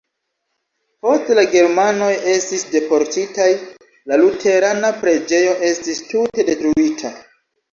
Poste la germanoj estis deportitaj, la luterana preĝejo estis tute detruita.